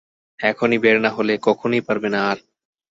এখনই বের না হলে, কখনোই পারবে না আর।